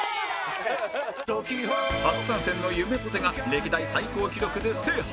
初参戦のゆめぽてが歴代最高記録で制覇